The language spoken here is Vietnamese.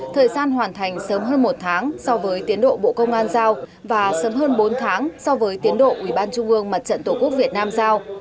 thời gian hoàn thành sớm hơn một tháng so với tiến độ bộ công an giao và sớm hơn bốn tháng so với tiến độ ủy ban trung ương mặt trận tổ quốc việt nam giao